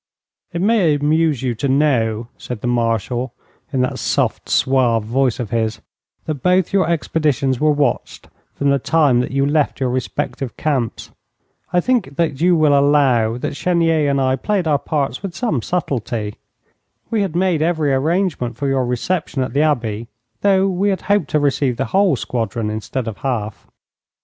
'It may amuse you to know,' said the Marshal, in that soft, suave voice of his, 'that both your expeditions were watched from the time that you left your respective camps. I think that you will allow that Chenier and I played our parts with some subtlety. We had made every arrangement for your reception at the Abbey, though we had hoped to receive the whole squadron instead of half.